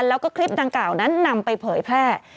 แล้วก็คลิปดังกล่าวนั้นนำไปเผยแพร่